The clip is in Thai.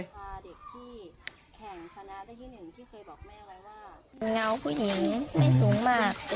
เด็กที่แข่งชนะได้ที่หนึ่งที่เคยบอกแม่ไว้ว่า